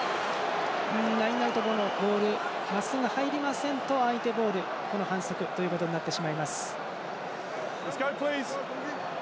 ラインアウトの際、ボールがまっすぐ入りませんと相手ボールという反則になってしまいます。